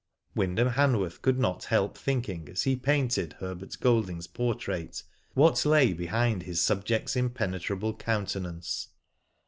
Wyndham Hanworth could not help thinking, as he painted Herbert Golding's portrait, what lay behind his subject's impenetrable counten ance.